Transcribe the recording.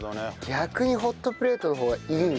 逆にホットプレートの方がいいんだ。